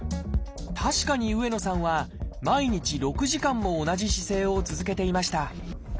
確かに上野さんは毎日６時間も同じ姿勢を続けていました。